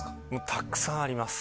たくさんあります。